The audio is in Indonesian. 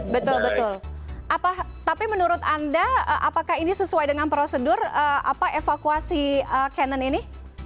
betul betul tapi menurut anda apakah ini sesuai dengan prosedur evakuasi canon ini